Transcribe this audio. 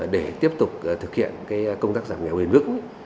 để tiếp tục thực hiện công tác giảm nghèo huyền vững